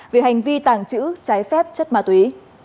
về hành vi tàng trữ trái phép chất ma túy